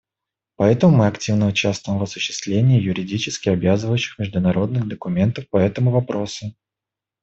Поэтому мы активно участвуем в осуществлении юридически обязывающих международных документов по этому вопросу.